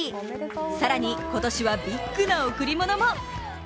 さらに今年はビッグな贈り物も。